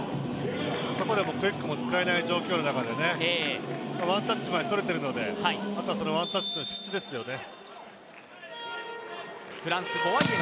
クイックも使えない状況の中で、ワンタッチ取れているのであとはワンタッチの質ですよね。